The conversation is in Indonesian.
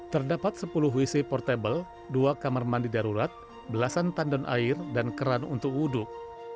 terdapat sepuluh wc portable dua kamar mandi darurat belasan tandon air dan keran untuk wuduk